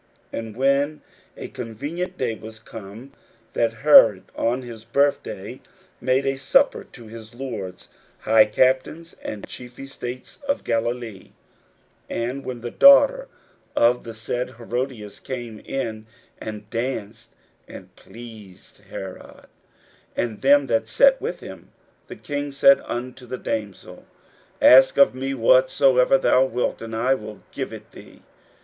41:006:021 And when a convenient day was come, that Herod on his birthday made a supper to his lords, high captains, and chief estates of Galilee; 41:006:022 And when the daughter of the said Herodias came in, and danced, and pleased Herod and them that sat with him, the king said unto the damsel, Ask of me whatsoever thou wilt, and I will give it thee.